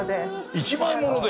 一枚物で！